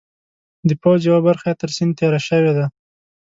د پوځ یوه برخه یې تر سیند تېره شوې ده.